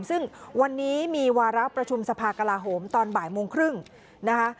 ซึ่งวันนี้มีวาระประชุมสภากลาโหมตอนบ่ายโมงครึ่งนะคะ